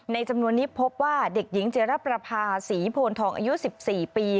จำนวนนี้พบว่าเด็กหญิงเจรประภาษีโพนทองอายุ๑๔ปี